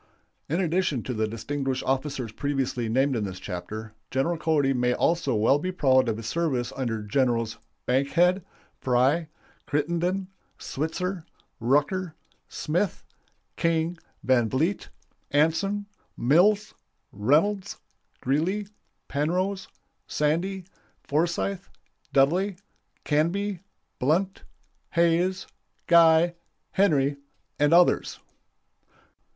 In addition to the distinguished officers previously named in this chapter, General Cody may also well be proud of his service under Generals Bankhead, Fry, Crittenden, Switzer, Rucker, Smith, King, Van Vliet, Anson, Mills, Reynolds, Greeley, Penrose, Sandy, Forsyth, Dudley, Canby, Blunt, Hayes, Guy, Henry, and others.